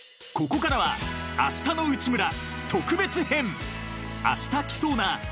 ［ここからは『あしたの内村！！』特別編］